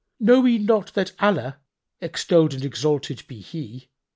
Know ye not that Allah (extolled and exalted be He!)